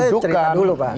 ini saya cerita dulu pak